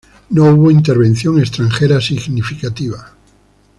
No hubo intervención extranjera significativa.